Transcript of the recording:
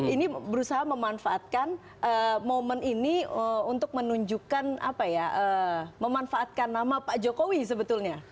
ini berusaha memanfaatkan momen ini untuk menunjukkan apa ya memanfaatkan nama pak jokowi sebetulnya